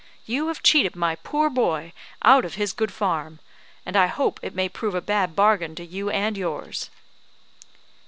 "You have cheated my poor boy out of his good farm; and I hope it may prove a bad bargain to you and yours."